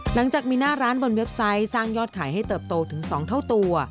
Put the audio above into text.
หลังจากมีหน้าร้านบนเว็บไซต์สร้างยอดขายให้เติบโตถึง๒เท่าตัว